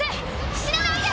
死なないで！